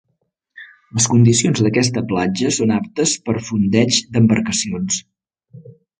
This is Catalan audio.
Les condicions d'aquesta platja són aptes per fondeig d'embarcacions.